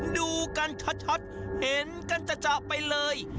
ดูกันชัดเห็นกันจะไปเลย